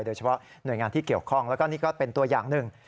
โดยเฉพาะหน่วยงานที่เกี่ยวข้องแล้วก็นี่ก็เป็นตัวอย่างหนึ่ง